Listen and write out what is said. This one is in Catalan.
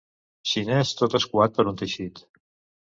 Xinès tot escuat per un teixit.